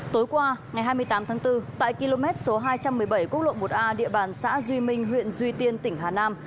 tối qua ngày hai mươi tám tháng bốn tại km số hai trăm một mươi bảy quốc lộ một a địa bàn xã duy minh huyện duy tiên tỉnh hà nam